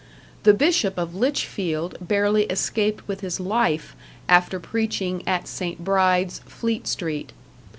The Bishop of Litchfield barely escaped with his life after preaching at St. Bride's, Fleet Street.